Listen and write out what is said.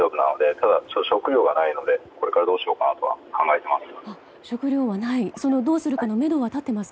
ただ、食料がないのでこれからどうしようかなと考えています。